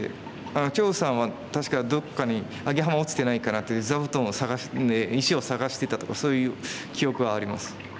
張栩さんは確か「どっかにアゲハマ落ちてないかな」と石を探してたとかそういう記憶はあります。